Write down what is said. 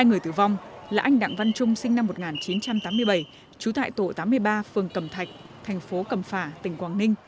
hai người tử vong là anh đặng văn trung sinh năm một nghìn chín trăm tám mươi bảy trú tại tổ tám mươi ba phường cẩm thạch thành phố cẩm phả tỉnh quảng ninh